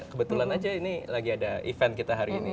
kebetulan aja ini lagi ada event kita hari ini